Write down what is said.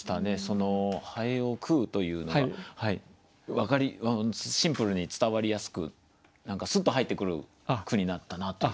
「蠅を食ふ」というのがシンプルに伝わりやすくスッと入ってくる句になったなという。